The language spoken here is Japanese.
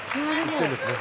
１点ですね。